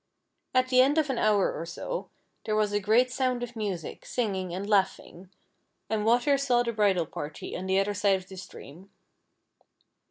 At the end of an hour or so, there was a great sound of music, sincriiTj , and laughing, and 1 1 2 FIRE AND WA TER. Water snw the bridal party on the other side of the stream.